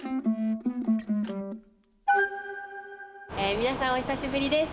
皆さん、お久しぶりです。